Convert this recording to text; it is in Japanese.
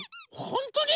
ほんとに？